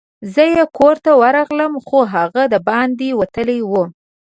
زه یې کور ته ورغلم، خو هغه دباندي وتلی وو.